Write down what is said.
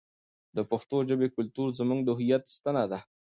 د پښتو ژبې کلتور زموږ د هویت ستنه ده.